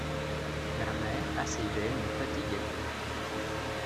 La mer assez belle, nous fatiguait peu.